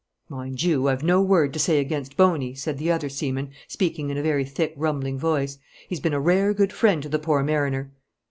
'Mind you, I've no word to say against Boney,' said the other seaman, speaking in a very thick rumbling voice. 'He's been a rare good friend to the poor mariner.'